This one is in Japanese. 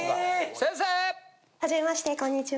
先生！はじめましてこんにちは。